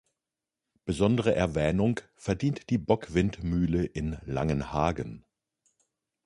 Besondere Erwähnung verdient die Bockwindmühle in Langenhagen.